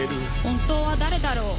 本当は誰だろう？